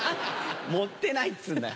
盛ってないっつうんだよ。